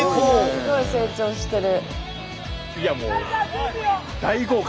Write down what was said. すごい成長してる。